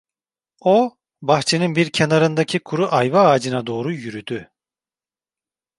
O, bahçenin bir kenarındaki kuru ayva ağacına doğru yürüdü.